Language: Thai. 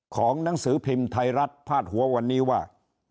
ของหนังสือพิมพ์ไทยรัฐพาดหัววันนี้ว่า